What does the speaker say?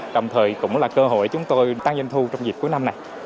đồng thời cũng là cơ hội chúng tôi tăng doanh thu trong dịp cuối năm này